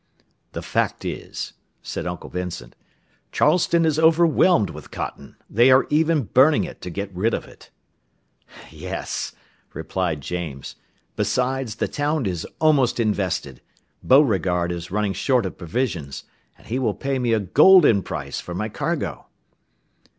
"The fact is," said Uncle Vincent, "Charleston is overwhelmed with cotton; they are even burning it to get rid of it." "Yes," replied James; "besides, the town is almost invested; Beauregard is running short of provisions, and he will pay me a golden price for my cargo!"